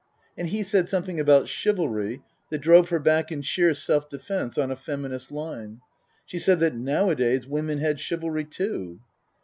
And he said something about chivalry that drove her back in sheer self defence on a Feminist line. She said that nowadays women had chivalry too.